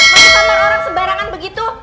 mau ditambah orang sembarangan begitu